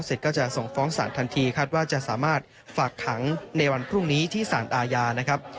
เสร็จก็จะส่งฟ้องสารทันทีคาดว่าจะสามารถฝากขังในวันพรุ่งนี้ที่สารอาญานะครับ